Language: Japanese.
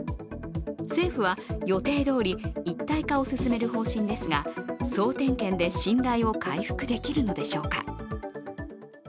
政府は予定どおり一体化を進める方針ですが、総点検で信頼を回復できるのでしょうか。